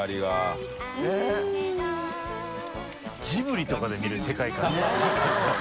ジブリとかで見る世界観ですよね。